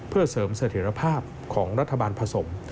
เพื่อเสริมเสถียรภาพของรัฐบาลผสม